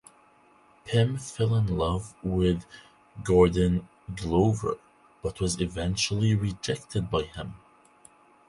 Pym fell in love with Gordon Glover but was eventually rejected by him.